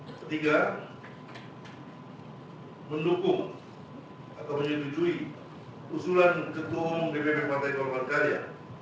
ketiga menukung atau menyetujui usulan ketua umum dpp partai golongan karya